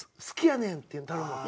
「好きやねん」って頼むわ。